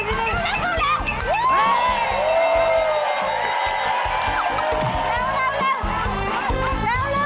เจกดูแล้ว